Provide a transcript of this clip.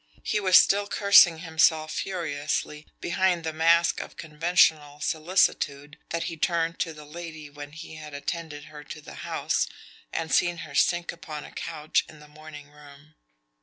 He was still cursing himself furiously behind the mask of conventional solicitude that he turned to the lady when he had attended her to the house, and seen her sink upon a couch in the morning room.